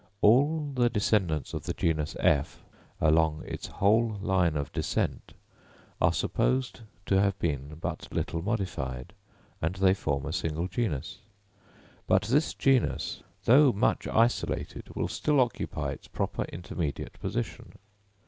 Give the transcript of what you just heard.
All the descendants of the genus F, along its whole line of descent, are supposed to have been but little modified, and they form a single genus. But this genus, though much isolated, will still occupy its proper intermediate position.